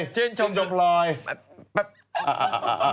ชื่นชมอะไรครับ